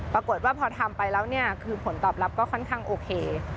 ปรากฏว่าพอทำไปแล้วเนี่ยคือผลตอบรับก็ค่อนข้างโอเค